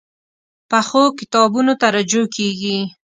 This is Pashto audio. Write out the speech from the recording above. پخو کتابونو ته رجوع کېږي